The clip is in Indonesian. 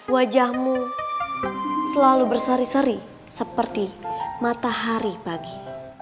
wajahmu selalu bersari seri seperti matahari pagi